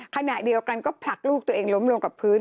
ขณะเดียวกันก็ผลักลูกตัวเองล้มลงกับพื้น